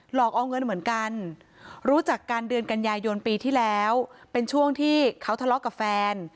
หลอกเอาเงินเหมือนกันรู้จักกันเดือนกันยายนปีที่แล้วเป็นช่วงที่เขาทะเลาะกับแฟน